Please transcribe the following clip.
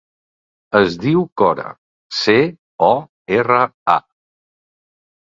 Es diu Cora: ce, o, erra, a.